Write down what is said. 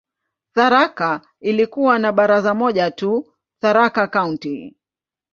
Tharaka ilikuwa na baraza moja tu, "Tharaka County".